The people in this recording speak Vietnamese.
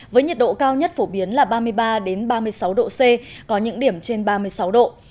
với nhiệt độ cao nhất phổ biến là ba mươi ba ba mươi sáu độ c có những điểm trên ba mươi sáu độ